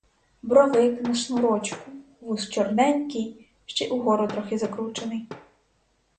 Брови як на шнурочку, вус чорненький, ще й угору трохи закручений.